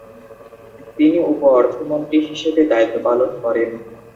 তিনি উপঅর্থমন্ত্রী হিসেবে দায়িত্ব পালন করেন।